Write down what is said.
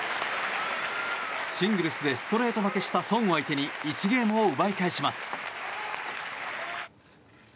シングルスでストレート負けしたソンを相手に１ゲームを奪い返します。